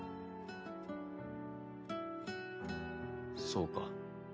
そうか。